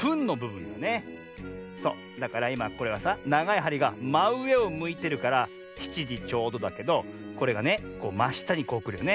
そうだからいまこれはさながいはりがまうえをむいてるから７じちょうどだけどこれがねましたにこうくるよね。